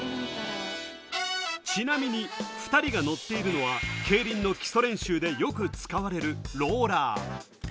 ちなみに２人が乗っているのは、競輪の基礎練習でよく使われるローラー。